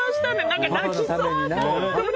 何か、泣きそう。